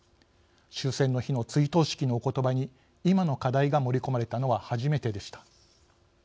終戦の日の追悼式のおことばに今の課題が盛り込まれたのは初めてでした。